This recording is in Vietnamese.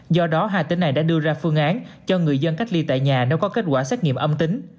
do đó hai tỉnh này đã đưa ra phương án cho người dân cách ly tại nhà nếu có kết quả xét nghiệm âm tính